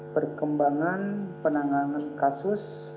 perkembangan penanganan kasus